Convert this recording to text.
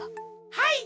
はい。